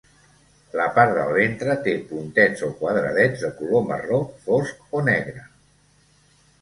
La part del ventre té puntets o quadradets de color marró fosc o negre.